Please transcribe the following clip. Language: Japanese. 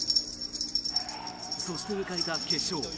そして、迎えた決勝。